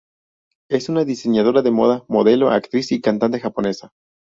Es una diseñadora de moda, modelo, actriz, y cantante japonesa.